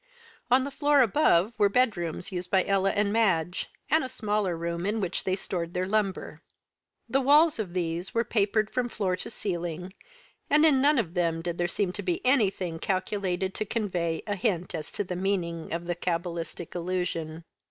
On the floor above were the bedrooms used by Ella and Madge, and a smaller room in which they stored their lumber. The walls of these were papered from floor to ceiling, and in none of them did there seem to be anything calculated to convey a hint as to the meaning of the cabalistic allusion.